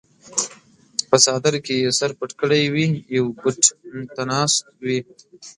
پۀ څادر کښې ئې سر پټ کړے وي يو ګوټ ته ناست وي